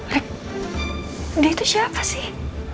eh dia itu siapa sih